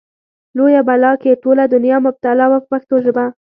لویه بلا کې ټوله دنیا مبتلا وه په پښتو ژبه.